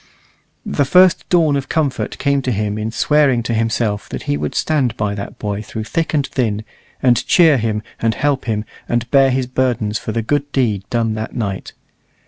The first dawn of comfort came to him in swearing to himself that he would stand by that boy through thick and thin, and cheer him, and help him, and bear his burdens for the good deed done that night.